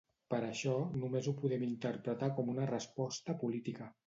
Per això, només ho podem interpretar com una resposta política.